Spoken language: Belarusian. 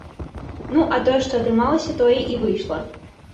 Ну, а тое што атрымалася, тое і выйшла.